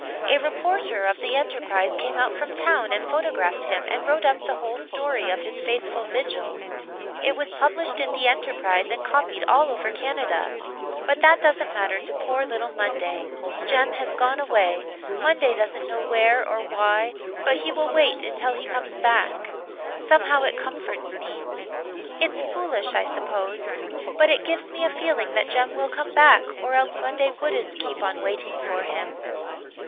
A reporter of the Enterprise came out from town and photographed him and wrote up the whole story of his faithful vigil. It was published in the Enterprise and copied all over Canada. But that doesn't matter to poor little Monday, Jem has gone away Monday doesn't know where or why but he will wait until he comes back. Somehow it comforts me: it's foolish, I suppose, but it gives me a feeling that Jem will come back or else Monday wouldn't keep on waiting for him.